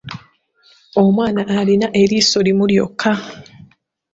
Omwana alina eriiso limu lyokka.